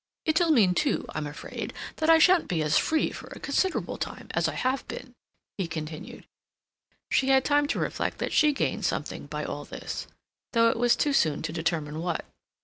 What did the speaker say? "It'll mean, too, I'm afraid, that I shan't be as free for a considerable time as I have been," he continued. She had time to reflect that she gained something by all this, though it was too soon to determine what.